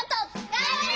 がんばれ！